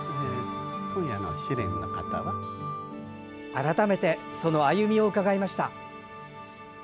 改めて、その歩みを伺いました。